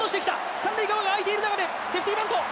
三塁側が空いている中でセーフティバント。